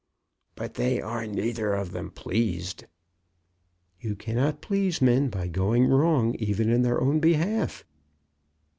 "But they are neither of them pleased." "You cannot please men by going wrong, even in their own behalf."